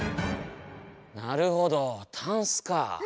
なるほど「タンス」か。